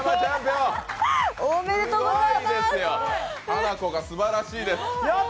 ハナコがすばらしいです。